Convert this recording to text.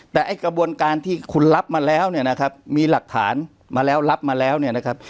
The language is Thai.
แต่ไอ้กระบวนการที่คุณรับมาแล้วเนี่ยนะครับมีหลักฐานมาแล้วรับมาแล้วเนี่ยนะครับ